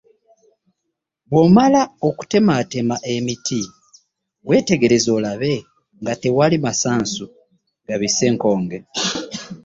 Bw’omala okutemaatema emiti, weetegereze olabe nga tewali masansu gabisse nkonge.